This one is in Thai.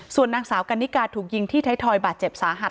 ส่วนนางสาวกันนิกาถูกยิงที่ไทยทอยบาดเจ็บสาหัส